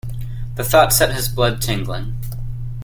The thought set his blood tingling.